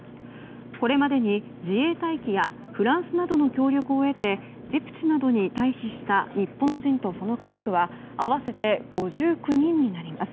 これまでに自衛隊機やフランスなどの協力を得てジブチなどに退避した日本人とその家族は合わせて５９人になります。